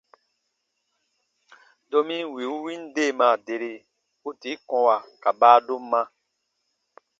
Domi wì u win deemaa deri, u tii kɔ̃wa ka baadomma.